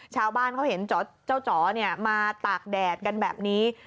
ชาวบ้านเขาเห็นเจ้าจ๋อมาตากแดดกันแบบนี้